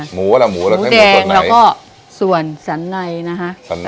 หมูอะไรหมูอะไรไม่มีตัวในหมูแดงแล้วก็ส่วนสันในนะฮะสันใน